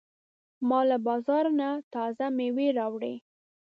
ما له بازار نه تازه مېوې راوړې.